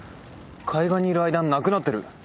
海岸にいる間になくなってる！